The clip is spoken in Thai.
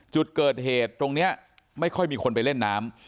จุดเกิดเหตุตรงนี้ไม่ค่อยมีคนไปเล่นน้ำ